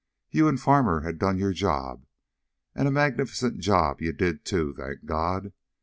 "You and Farmer had done your job, and a magnificent job you did, too, thank God!